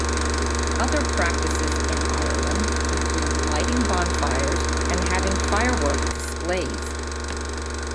Other practices in Ireland include lighting bonfires, and having firework displays.